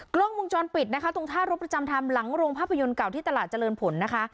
กล้องวงจรปิดนะคะตรงท่ารบประจำธรรมหลังโรงภาพยนตร์เก่าที่ตลาดเจริญผลนะคะ